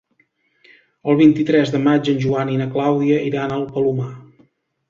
El vint-i-tres de maig en Joan i na Clàudia iran al Palomar.